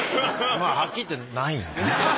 まぁはっきり言ってないね。